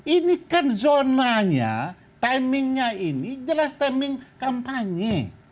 ini kan zonanya timingnya ini jelas timing kampanye